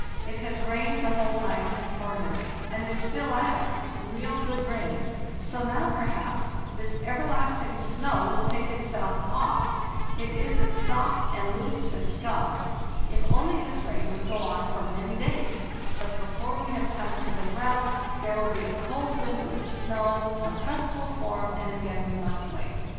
It has rained the whole night good rain: so now, and forenoon, and is still at it—real, ¢ perhaps, this everlasting snow will take itself off; it is as soft and loose as scum. If only this rain would go on for he 20 306 FARTHEST NORTH many days! But before we have time to look round there will be a cold wind with snow,a crust will form, and again we must wait.